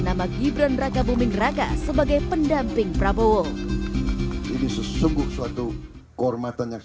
nama gibran raka buming raka sebagai pendamping prabowo ini sesungguh suatu kehormatan yang